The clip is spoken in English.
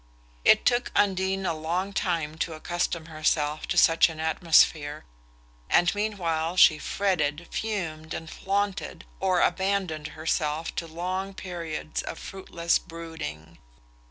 It took Undine a long time to accustom herself to such an atmosphere, and meanwhile she fretted, fumed and flaunted, or abandoned herself to long periods of fruitless brooding.